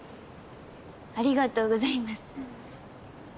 ありがとうございます。